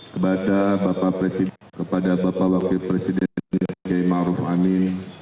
kepada bapak wakil presiden r k ma'ruf amin